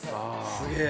すげえ。